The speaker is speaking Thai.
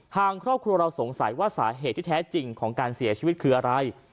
ทางครอบครัวเราสงสัยว่าสาเหตุที่แท้จริงของการเสียชีวิตคืออะไร